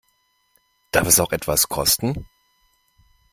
Darf es auch etwas kosten?